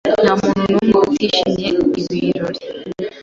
Nta muntu n'umwe utishimiye ibirori.